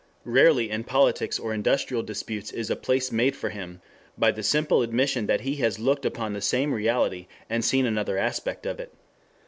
Rarely in politics or industrial disputes is a place made for him by the simple admission that he has looked upon the same reality and seen another aspect of it.